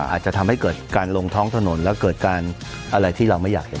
อาจจะทำให้เกิดการลงท้องถนนแล้วเกิดการอะไรที่เราไม่อยากเห็น